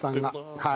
はい。